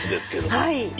はい。